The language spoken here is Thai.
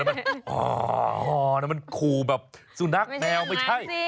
ใช่แล้วแล้วมันคู่แบบสู่นักแมวไม่ใช่